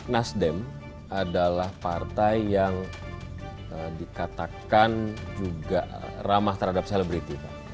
nasdem adalah partai yang dikatakan juga ramah terhadap selebriti pak